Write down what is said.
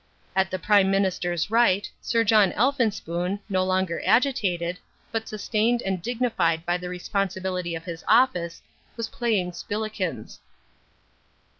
At the Prime Minister's right, Sir John Elphinspoon, no longer agitated, but sustained and dignified by the responsibility of his office, was playing spillikins.